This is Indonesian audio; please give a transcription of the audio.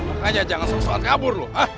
bukan aja jangan sok sokan kabur lu